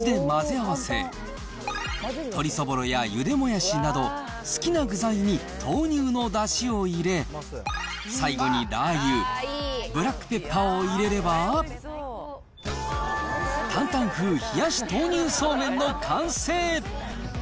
作り方は簡単で、豆乳とめんつゆを５対１で混ぜ合わせ、鶏そぼろやゆでもやしなど、好きな具材に豆乳のだしを入れ、最後にラー油、ブラックペッパーを入れれば、担々風冷やし豆乳そうめんの完成。